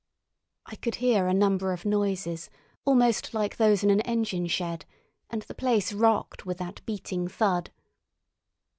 I could hear a number of noises almost like those in an engine shed; and the place rocked with that beating thud.